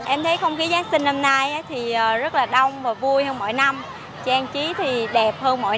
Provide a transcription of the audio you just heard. em thấy không khí giáng sinh năm nay thì rất là đông và vui hơn mỗi năm trang trí thì đẹp hơn mỗi năm